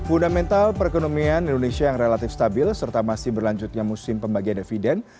fundamental perekonomian indonesia yang relatif stabil serta masih berlanjutnya musim pembagian dividen